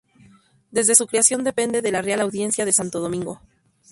Desde su creación depende de la Real Audiencia de Santo Domingo.